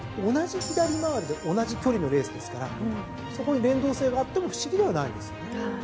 同じ左回りで同じ距離のレースですからそこに連動性があっても不思議ではないですよね。